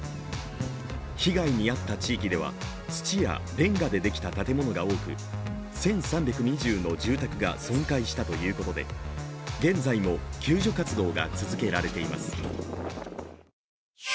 被害に遭った地域では、土やれんがでできている建物が多く１３２０の住宅が損壊したということで現在も救助活動が続けられています。